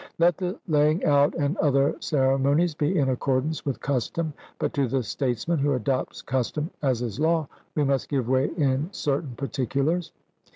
Let the laying out and other ceremonies be in accordance with custom, but to the statesman who adopts custom as his law we must give way in certain particulars.